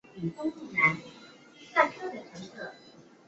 长鳍斑竹鲨为须鲨科斑竹鲨属的鱼类。